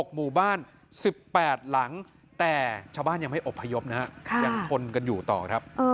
หมู่บ้าน๑๘หลังแต่ชาวบ้านยังไม่อบพยพนะฮะยังทนกันอยู่ต่อครับ